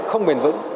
không bền vững